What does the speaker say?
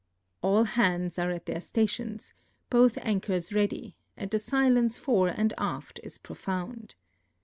All hands are at their stations, both anchors ready, and the silence fore and aft is profound.